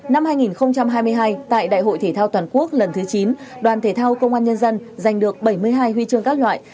năm hai nghìn hai mươi hai tại đại hội thể thao toàn quốc lần thứ chín đoàn thể thao công an nhân dân giành được bảy mươi hai huy chương các loại